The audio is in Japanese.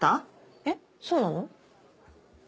えっそうなの？